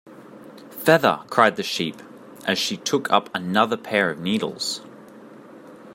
‘Feather!’ cried the Sheep, as she took up another pair of needles.